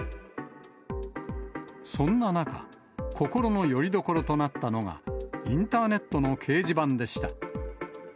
そんな中、心のよりどころとなったのが、インターネットの掲示板でした。